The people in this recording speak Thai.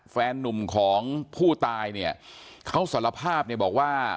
แฟนหนุ่มของผู้ตายเขาสารภาพบอกว่า